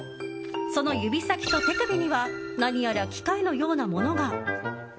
その指先と手首には何やら機械のようなものが。